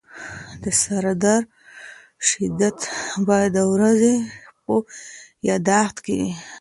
د سردرد شدت باید د ورځې په یادښت کې وي.